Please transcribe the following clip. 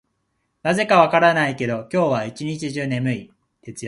なぜか分からないけど、今日は一日中眠い。